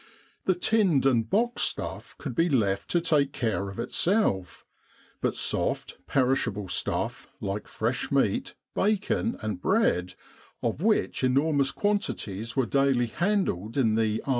The tinned and boxed stuff could be left to take care of itself; but soft, perishable stuff like fresh meat, bacon, and bread, of which enormous quantities were daily handled in the A.S.